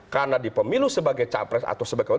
karena dipemilu sebagai capres atau capres